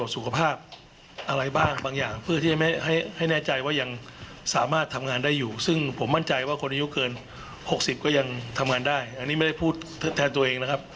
สื่อผมไม่มั่นใจนี้ไม่ได้พูดแทนตัวเอง